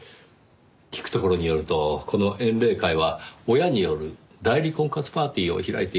聞くところによるとこの縁麗会は親による代理婚活パーティーを開いているとか。